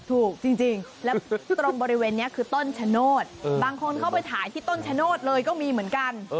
ถูกจริงแล้วตรงบริเวณนี้คือต้นชะโนธบางคนเข้าไปถ่ายที่ต้นชะโนธเลยก็มีเหมือนกัน